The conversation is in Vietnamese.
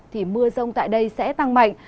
thì mưa rông tại đây sẽ tăng mạnh